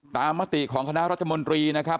ตามมาติของคณะรัฐจะมนตรีนะครับ